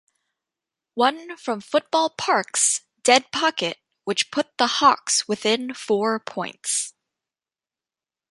One from Football Parks "dead pocket" which put the hawks within four points.